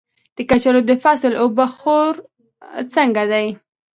د کچالو د فصل اوبه خور څنګه دی؟